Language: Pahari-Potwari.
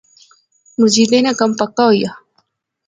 مجیدے ناں کم پکا ہوئی آ